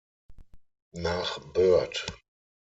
Nach Burt.